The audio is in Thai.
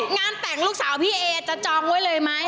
งานแต่งลูกสาวพี่เอจะจองไว้เลยไหม